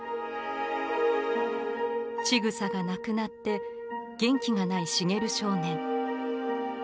千草が亡くなって元気がない茂少年。